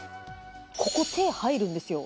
ここ手入るんですよ。